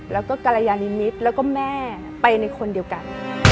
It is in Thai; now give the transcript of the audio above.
แล้วก็กรยานิมิตรแล้วก็แม่ไปในคนเดียวกัน